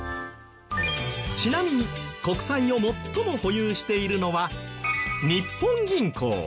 ちなみに国債を最も保有しているのは日本銀行。